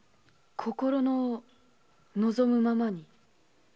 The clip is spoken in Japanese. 心の望むままに。